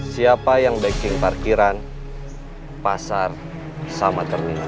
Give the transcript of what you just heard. siapa yang baking parkiran pasar sama terminal